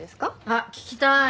あっ聞きたい！